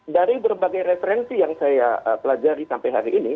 dari berbagai referensi yang saya pelajari sampai hari ini